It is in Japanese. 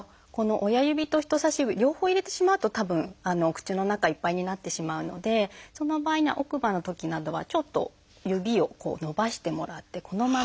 親指と人差し指両方入れてしまうとたぶんお口の中いっぱいになってしまうのでその場合には奥歯のときなどはちょっと指を伸ばしてもらってこのまま。